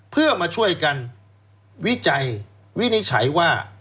เพื่อมาช่วยกันวิจัยวินิจฉัยว่า